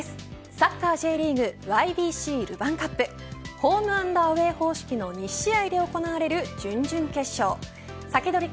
サッカーＪリーグＹＢＣルヴァンカップホームアンドアウェー方式の２試合で行われる準々決勝。